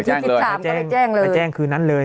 วันที่๑๓ก็ไปแจ้งเลยไปแจ้งคืนนั้นเลย